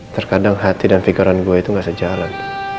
terkadang hati dan pikiran gue itu gak sejalan